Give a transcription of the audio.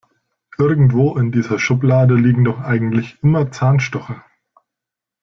Irgendwo in dieser Schublade liegen doch eigentlich immer Zahnstocher.